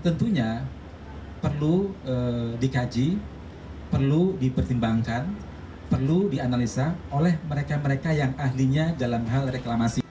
tentunya perlu dikaji perlu dipertimbangkan perlu dianalisa oleh mereka mereka yang ahlinya dalam hal reklamasi